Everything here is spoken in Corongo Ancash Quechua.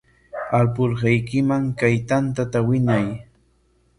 Alpurhaykiman kay tanta winay.